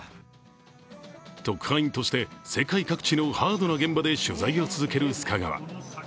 特派員として世界各地のハードな現場で取材を続ける須賀川。